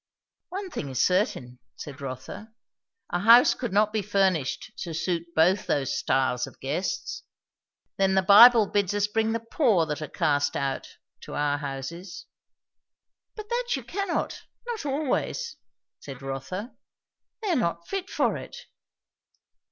"One thing is certain," said Rotha. "A house could not be furnished to suit both those styles of guests." "Then the Bible bids us bring the poor that are cast out, to our houses." "But that you cannot! Not always," said Rotha. "They are not fit for it."